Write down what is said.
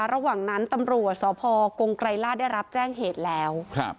ระหว่างนั้นตำรวจสพกงไกรลาศได้รับแจ้งเหตุแล้ว